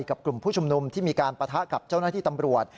กลุ่มผู้ชุมนุมที่มีการปะทะกับเจ้าหน้าที่ตำรวจ